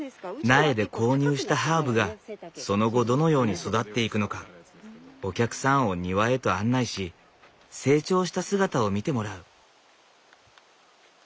苗で購入したハーブがその後どのように育っていくのかお客さんを庭へと案内し成長した姿を見てもらう。